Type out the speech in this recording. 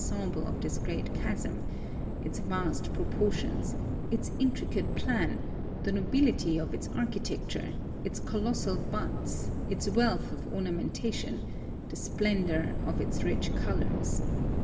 senihle of this great chasm— its vast proportions, its intricate plan, the nol»ilitv of its architecture, its colossal buttes, its wealth of ornauientation, the splendor of its rich colors.